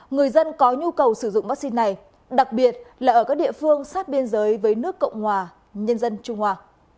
người dân có nhu cầu sử dụng vaccine này đặc biệt là ở các địa phương sát biên giới với nước cộng hòa nhân dân trung hoa